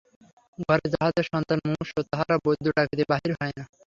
ঘরে যাহাদের সন্তান মুমূর্ষু তাহারা বৈদ্য ডাকিতে বাহির হয় না।